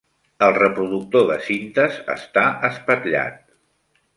El reproductor de cintes està espatllat.